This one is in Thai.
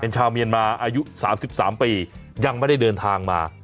ชาวเมียนมาอายุ๓๓ปียังไม่ได้เดินทางมา